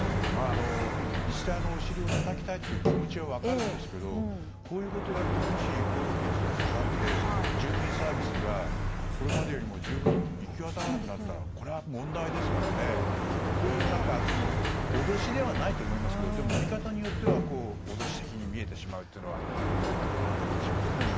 自治体のお尻をたたきたいという気持ちは分かるんですがこういうことをやってもし交付率が下がって住民サービスがこれまでよりも十分に行き渡らなくなったら問題ですから脅しではないと思いますけど見方によっては脅し的に見えてしまうというのはどうかなって感じがしますね。